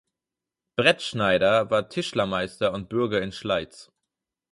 Bretschneider war Tischlermeister und Bürger in Schleiz.